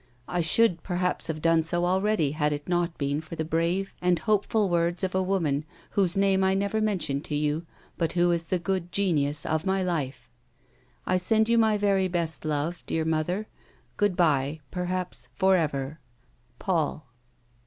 I should, perhaps, have done so already, had it not been for the brave and hopeful words of a woman, whose name I never mention to you, but who is the good genius of my life. " I send yon my very best love, dear mother. Good bye perhaps for ever. "Paul."